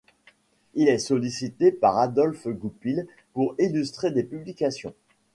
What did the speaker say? Il est sollicité par Adolphe Goupil pour illustrer des publications.